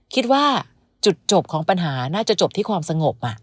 คิดว่าจุดจบของปัญหาน่าจะจบที่ความสงบ